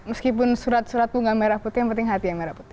meskipun surat surat bunga merah putih yang penting hati yang merah putih